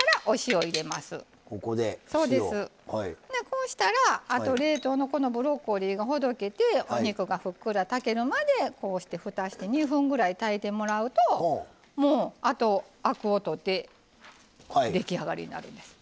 こうしたらあと冷凍のこのブロッコリーがほどけてお肉がふっくら炊けるまでこうしてふたして２分ぐらい炊いてもらうともうあとアクを取って出来上がりになるんです。